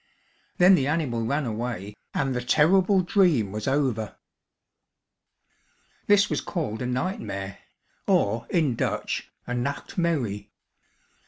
Then the animal ran away and the terrible dream was over. This was called a nightmare, or in Dutch a "nacht merrie."